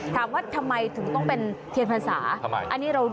ถามว่าทำไมถึงต้องเป็นเทียบภัณฑ์ศาสตร์